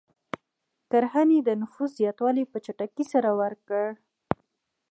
کرنې د نفوس زیاتوالی په چټکۍ سره ورکړ.